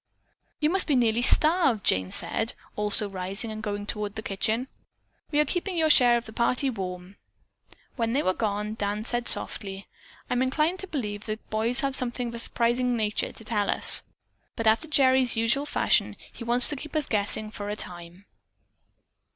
"You must be nearly starved," Jane said, also rising and going toward the kitchen. "We are keeping your share of the party warm." When they were gone, Dan said softly: "I'm inclined to believe that the boys have something of a surprising nature to tell us, but after Gerry's usual fashion he wants to keep us guessing for a time."